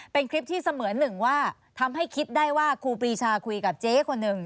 เป็นคลิปที่เสมือนหนึ่งว่าทำให้คิดได้ว่าครูปรีชาคุยกับเจ๊คนหนึ่ง